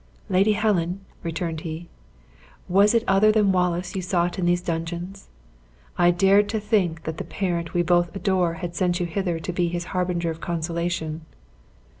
"Lady Helen," returned he, "was it other than Wallace you sought in these dungeons? I dared to think that the Parent we both adore had sent you hither to be His harbinger of consolation!"